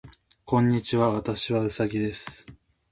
こんにちは。私はうさぎです。